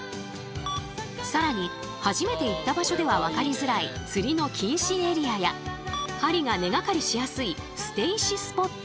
更に初めて行った場所では分かりづらい釣りの禁止エリアや針が根がかりしやすい捨て石スポット。